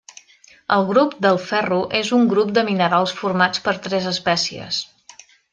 El grup del ferro és un grup de minerals format per tres espècies.